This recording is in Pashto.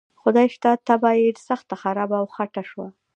خدای شته طبعه یې سخته خرابه او خټه شوه.